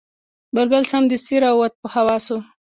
بلبل سمدستي را ووت په هوا سو